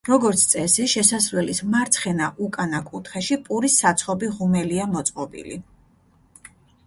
როგორც წესი, შესასვლელის მარცხენა უკანა კუთხეში პურის საცხობი ღუმელია მოწყობილი.